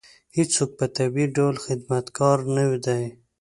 هېڅوک په طبیعي ډول خدمتګار نه دی.